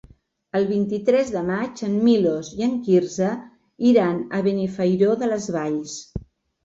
El vint-i-tres de maig en Milos i en Quirze iran a Benifairó de les Valls.